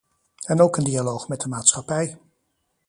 En ook een dialoog met de maatschappij.